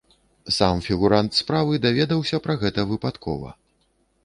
Сам фігурант справы даведаўся пра гэта выпадкова.